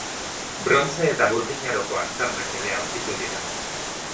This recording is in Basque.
Brontze eta Burdin Aroko aztarnak ere aurkitu dira.